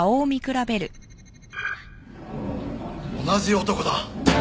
同じ男だ！